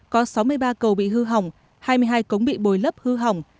có sáu mươi ba cầu bị hư hỏng hai mươi hai cống bị bồi lấp hư hỏng